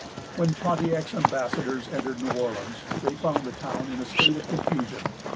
When Pontiac's ambassadors entered New Orleans, they found the town in a state of confusion.